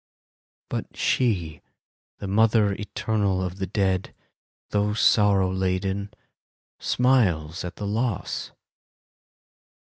But she, the mother eternal of the dead, Though sorrow laden, smiles at the loss.